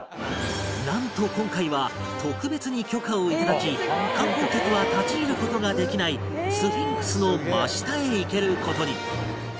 なんと今回は特別に許可を頂き観光客は立ち入る事ができないスフィンクスの真下へ行ける事に